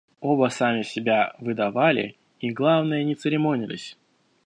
Оба сами себя выдавали и, главное, не церемонились.